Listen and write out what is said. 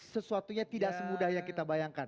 sesuatunya tidak semudah yang kita bayangkan